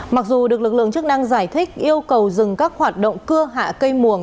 mặc dù được lực lượng chức năng giải thích yêu cầu dừng các hoạt động cưa hạ cây mồng